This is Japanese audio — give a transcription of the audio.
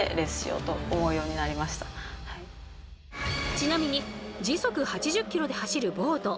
ちなみに時速８０ｋｍで走るボート。